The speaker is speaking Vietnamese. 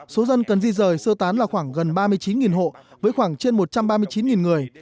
số dân cần di rời sơ tán là khoảng gần ba mươi chín hộ với khoảng trên một trăm ba mươi chín người